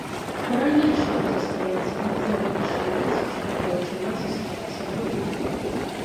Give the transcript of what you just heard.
Па-ранейшаму застаецца мізэрны шанец, што дзяўчына засталася жывой.